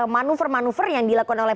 manuver manuver yang dilakukan oleh